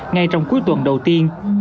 ngay trong cuối tuần đầu tiên